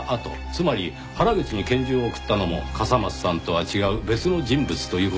つまり原口に拳銃を送ったのも笠松さんとは違う別の人物という事になりますねぇ。